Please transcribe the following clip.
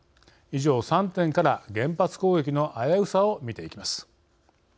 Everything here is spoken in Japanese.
以上３点から原発攻撃の危うさを見ていきます。